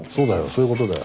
そういう事だよ。